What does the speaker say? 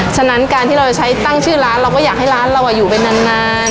ฉะนั้นการที่เราจะใช้ตั้งชื่อร้านเราก็อยากให้ร้านเราอยู่ไปนาน